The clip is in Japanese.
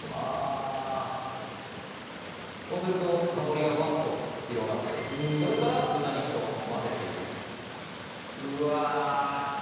はぁそうすると香りがバッと広がってそれから豚肉と混ぜていくうわ